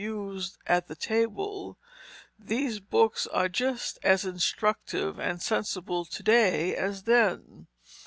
used at the table, these books are just as instructive and sensible to day as then.